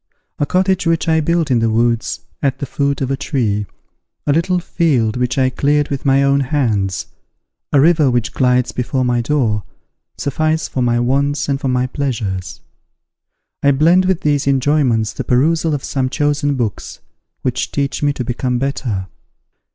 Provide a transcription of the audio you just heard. A cottage which I built in the woods, at the foot of a tree, a little field which I cleared with my own hands, a river which glides before my door, suffice for my wants and for my pleasures. I blend with these enjoyments the perusal of some chosen books, which teach me to become better.